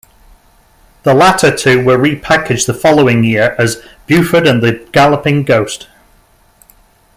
The latter two were repackaged the following year as "Buford and the Galloping Ghost".